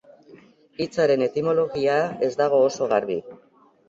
Hitzaren etimologia ez dago oso garbi.